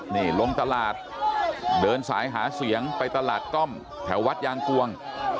นี่ลงตลาดเดินสายหาเสียงไปตลาดก้อมแถววัดยางกวง